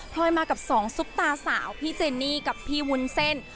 ลอยมากับสองซุปตาสาวพี่เจนี่กับพี่วุ้นเส้น